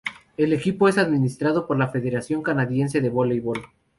El equipo es administrado por la Federación Canadiense de Voleibol.